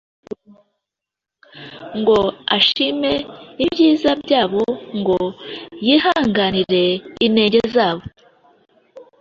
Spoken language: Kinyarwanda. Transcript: ngo ashime ibyiza byabo, ngo yihanganire inenge zabo,